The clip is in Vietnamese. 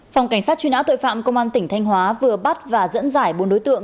phòng cảnh sát truy nã tội phạm công an tỉnh thanh hóa vừa bắt và dẫn giải bốn đối tượng